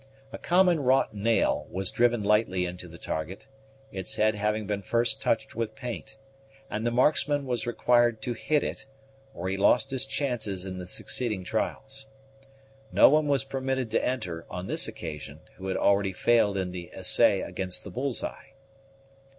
A common wrought nail was driven lightly into the target, its head having been first touched with paint, and the marksman was required to hit it, or he lost his chances in the succeeding trials. No one was permitted to enter, on this occasion, who had already failed in the essay against the bull's eye.